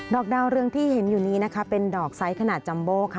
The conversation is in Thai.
อกดาวเรืองที่เห็นอยู่นี้นะคะเป็นดอกไซส์ขนาดจัมโบค่ะ